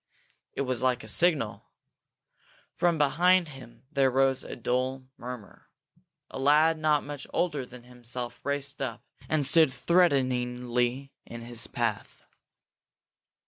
It was like a signal. From behind him there rose a dull murmur. A lad not much older than himself raced up and stood threateningly in his path.